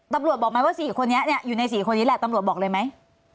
ตำรวจบอกไหมว่าสี่คนนี้เนี่ยอยู่ในสี่คนนี้แหละตำรวจบอกเลยไหม